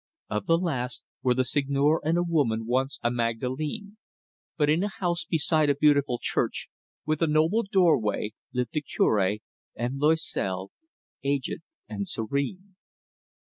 Of the last were the Seigneur and a woman once a Magdalene; but in a house beside a beautiful church, with a noble doorway, lived the Cure, M. Loisel, aged and serene.